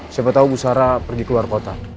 siapa tau busara pergi ke luar kota